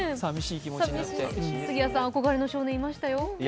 杉谷さん憧れの少年いましたよ。